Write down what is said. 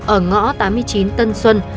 ở ngõ tám mươi chín tân xuân